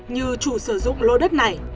như chủ sử dụng lô đất này